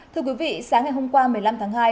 thưa quý vị sáng ngày hôm qua một mươi năm tháng hai